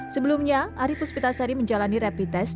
sebelumnya ari puspitasari menjalani rapid test